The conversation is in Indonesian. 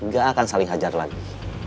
gak akan saling hajar lagi